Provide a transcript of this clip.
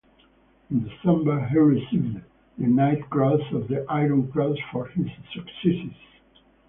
In December he received the Knight's Cross of the Iron Cross for his successes.